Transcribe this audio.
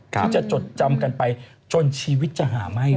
ที่จะจดจำกันไปจนชีวิตจะหาไหม้